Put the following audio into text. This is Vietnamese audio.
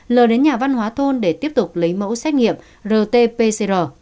lờ đến nhà văn hóa thôn để tiếp tục lấy mẫu xét nghiệm rt pcr